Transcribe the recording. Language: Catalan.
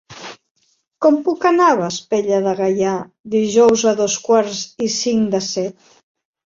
Com puc anar a Vespella de Gaià dijous a dos quarts i cinc de set?